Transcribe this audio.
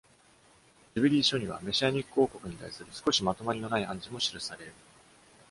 「ジュビリー書」には、メシアニック王国に対する少し、まとまりのない暗示も記される。